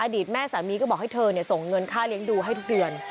ตแม่สามีก็บอกให้เธอส่งเงินค่าเลี้ยงดูให้ทุกเดือน